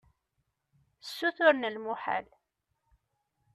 Ssuturen lmuḥal.